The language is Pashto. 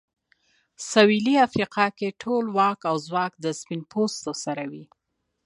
سوېلي افریقا کې ټول واک او ځواک له سپین پوستو سره و.